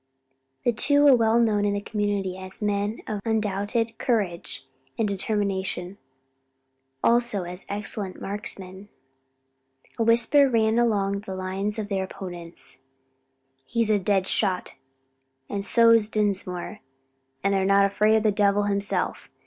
The two were well known in the community as men of undoubted courage and determination; also as excellent marksmen. A whisper ran along the lines of their opponents. "He's a dead shot; and so's Dinsmore; and they're not afraid o' the devil himself.